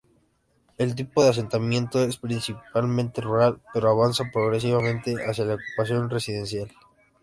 El tipo de asentamiento, es principalmente rural, pero avanza progresivamente hacia la ocupación residencial.